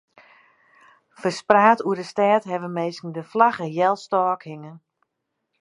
Ferspraat oer de stêd hawwe minsken de flagge healstôk hinge.